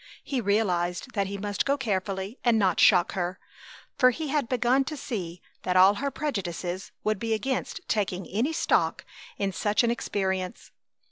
He realized that he must go carefully, and not shock her, for he had begun to see that all her prejudices would be against taking any stock in such an experience.